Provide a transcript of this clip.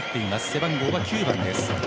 背番号は９番です。